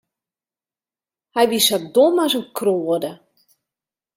Hy wie sa dom as in kroade.